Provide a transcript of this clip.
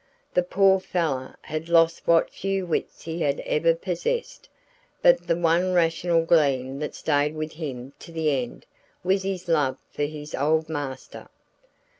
The poor fellow had lost what few wits he had ever possessed, but the one rational gleam that stayed with him to the end, was his love for his old master.